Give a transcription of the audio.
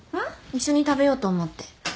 一緒に食べようと思って。